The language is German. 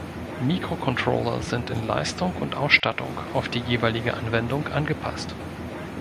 Mikrocontroller sind in Leistung und Ausstattung auf die jeweilige Anwendung angepasst.